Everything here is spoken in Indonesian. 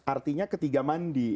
artinya ketiga mandi